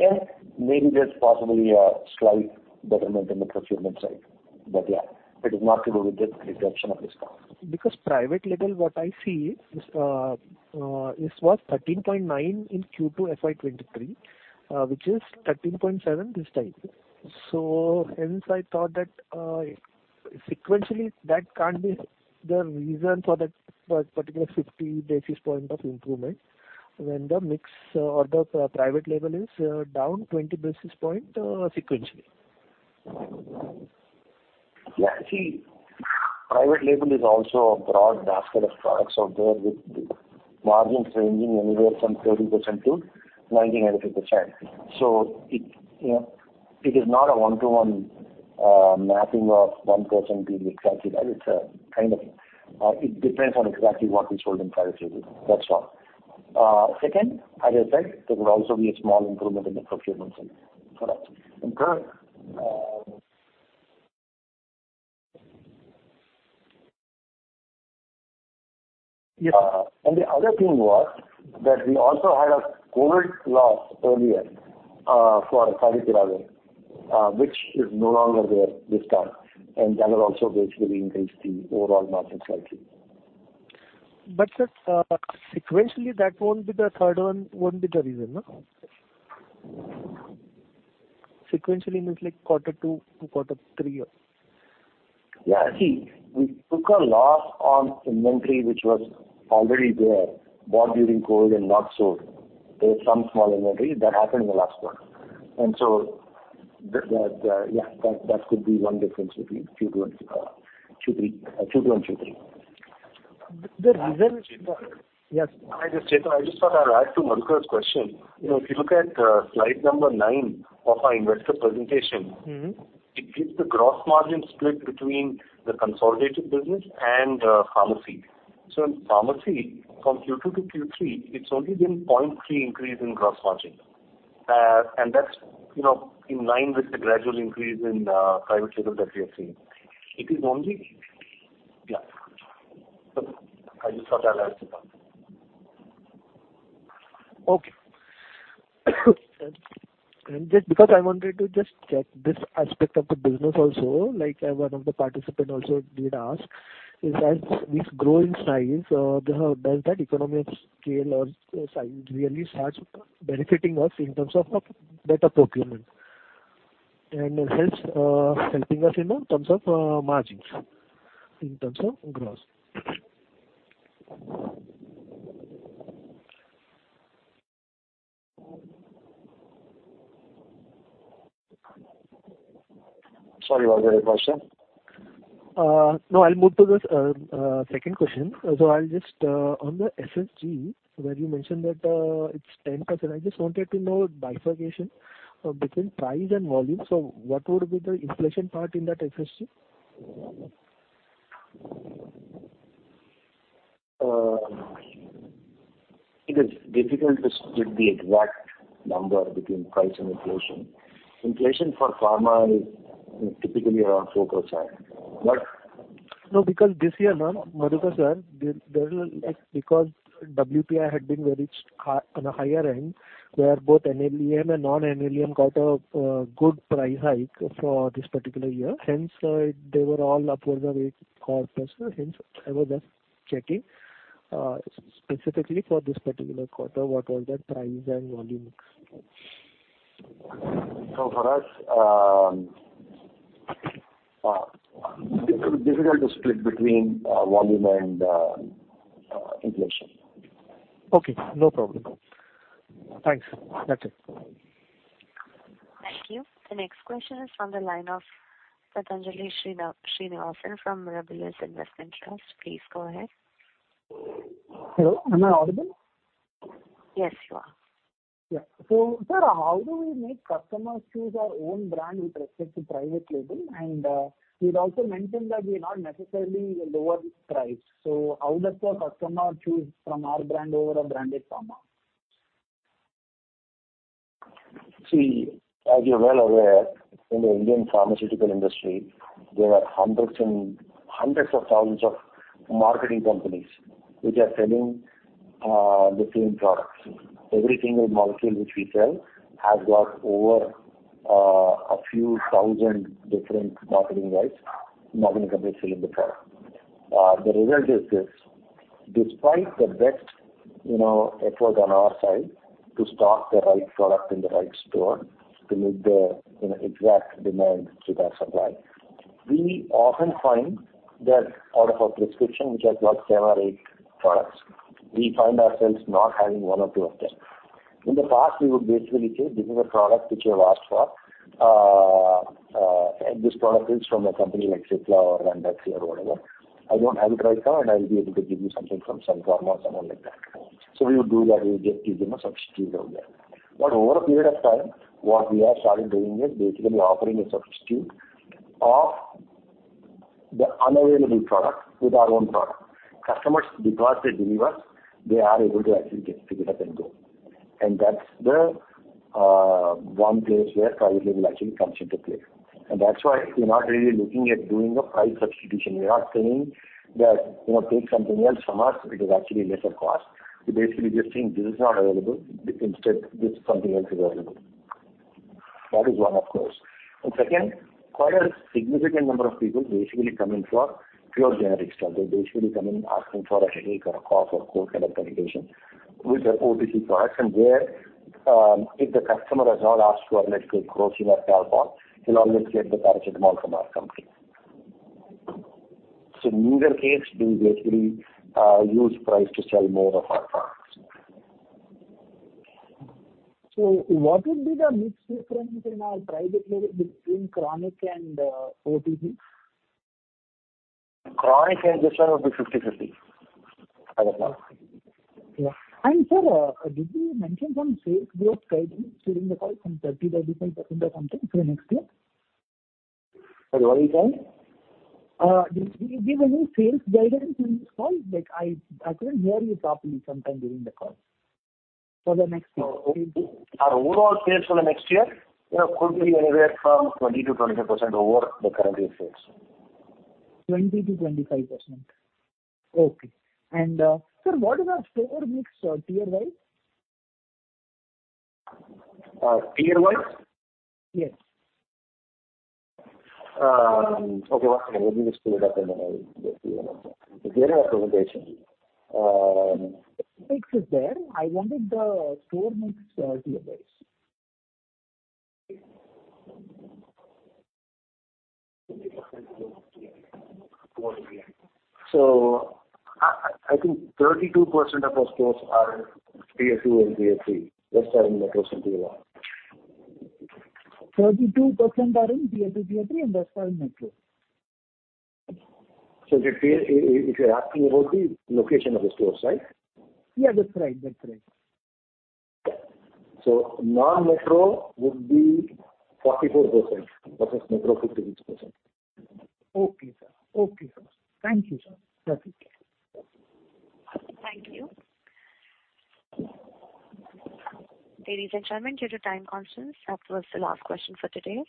And maybe there's possibly a slight betterment on the procurement side. But yeah, it is not to do with the reduction of discount. Because private label, what I see, this was 13.9 in Q2 FY23, which is 13.7 this time. So hence, I thought that sequentially, that can't be the reason for that particular 50 basis point of improvement when the mix or the private label is down 20 basis points sequentially. Yeah. See, private label is also a broad basket of products out there with margins ranging anywhere from 30%-90%-95%. So it is not a one-to-one mapping of 1% being exactly that. It depends on exactly what is sold in private label. That's all. Second, as I said, there could also be a small improvement in the procurement side for us. And third. Yes. The other thing was that we also had a COVID loss earlier for private label, which is no longer there this time. That has also basically increased the overall margin slightly. But sir, sequentially, that won't be the third one won't be the reason, no? Sequentially means quarter two, quarter three, or? Yeah. See, we took a loss on inventory which was already there, bought during COVID, and not sold. There's some small inventory. That happened in the last quarter. And so yeah, that could be one difference between Q2 and Q3. Q2 and Q3. The reason yes. I just thought I'd add to Madhukar's question. If you look at slide number nine of our investor presentation, it gives the gross margin split between the consolidated business and pharmacy. So in pharmacy, from Q2 to Q3, it's only been 0.3 increase in gross margin. And that's in line with the gradual increase in private label that we are seeing. Yeah. I just thought I'd add to that. Okay. Just because I wanted to just check this aspect of the business also, one of the participants also did ask, is as this growing size, does that economy of scale or size really start benefiting us in terms of better procurement and helping us in terms of margins, in terms of gross? Sorry, was there a question? No, I'll move to the second question. So on the SSG, where you mentioned that it's 10%, I just wanted to know bifurcation between price and volume. So what would be the inflation part in that SSG? It is difficult to split the exact number between price and inflation. Inflation for pharma is typically around 4%. But. No, because this year, Madhukar sir, because WPI had been very high on a higher end, where both NLEM and non-NLEM got a good price hike for this particular year. Hence, they were all upwards of 8 or plus. Hence, I was just checking specifically for this particular quarter, what was that price and volume mix? For us, difficult to split between volume and inflation. Okay. No problem. Thanks. That's it. Thank you. The next question is from the line of Pathanjali Srinivasan from Mirabilis Investment Trust. Please go ahead. Hello. Am I audible? Yes, you are. Yeah. Sir, how do we make customers choose our own brand with respect to private label? You'd also mentioned that we are not necessarily lower price. How does the customer choose from our brand over a branded pharma? See, as you're well aware, in the Indian pharmaceutical industry, there are hundreds of thousands of marketing companies which are selling the same products. Every single molecule which we sell has got over a few thousand different marketing companies selling the product. The result is this. Despite the best effort on our side to stock the right product in the right store to meet the exact demand with our supply, we often find that out of our prescription, which has got seven or eight products, we find ourselves not having one or two of them. In the past, we would basically say, "This is a product which you have asked for. This product is from a company like Cipla or Ranbaxy or whatever. I don't have it right now, and I'll be able to give you something from Sun Pharma," or something like that. We would do that. We would just give you a substitute out there. But over a period of time, what we have started doing is basically offering a substitute of the unavailable product with our own product. Customers, because they believe us, they are able to actually just pick it up and go. And that's the one place where private label actually comes into play. And that's why we're not really looking at doing a price substitution. We're not saying that, "Take something else from us. It is actually lesser cost." We're basically just saying, "This is not available. Instead, this something else is available." That is one, of course. And second, quite a significant number of people basically come in for pure generic stuff. They basically come in asking for a headache or a cough or cold kind of medication with their OTC products. And if the customer has not asked for a medicine Crocin or Calpol, he'll always get the Paracetamol from our company. So in either case, we basically use price to sell more of our products. So what would be the mix difference in our private label between chronic and OTC? Chronic and this one would be 50/50 as of now. Yeah. And sir, did you mention some sales growth guidance during the call from 30%-35% or something for the next year? Sorry, what did you say? Did you give any sales guidance in this call? I couldn't hear you properly sometime during the call for the next year. Our overall sales for the next year could be anywhere from 20%-25% over the current year's sales. 20%-25%. Okay. And sir, what is our store mix tier-wise? Tier-wise? Yes. Okay. One second. Let me just pull it up, and then I'll give you an answer. Is there in our presentation? Mix is there. I wanted the store mix tier-wise. I think 32% of our stores are Tier 2 and Tier 3, just starting in metros and Tier 1. 32% are in Tier 2, Tier 3, and that's all Metro? If you're asking about the location of the stores, right? Yeah. That's right. That's right. Non-Metro would be 44% versus Metro 56%. Okay, sir. Okay, sir. Thank you, sir. Perfect. Thank you. Ladies and gentlemen, due to time constraints, that was the last question for today.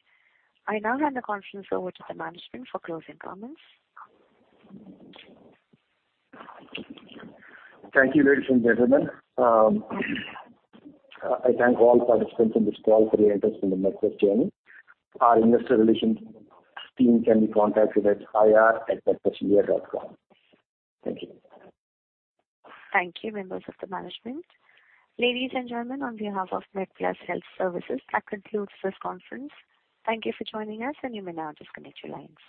I now hand the conference over to the management for closing comments. Thank you, ladies and gentlemen. I thank all participants in this call for your interest in the MedPlus journey. Our investor relations team can be contacted at ir@medplusindia.com. Thank you. Thank you, members of the management. Ladies and gentlemen, on behalf of MedPlus Health Services, that concludes this conference. Thank you for joining us, and you may now disconnect your lines.